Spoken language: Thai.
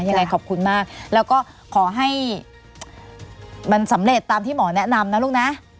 ยังไงขอบคุณมากแล้วก็ขอให้มันสำเร็จตามที่หมอแนะนำนะลูกนะ